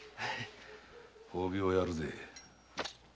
褒美をやるぜ。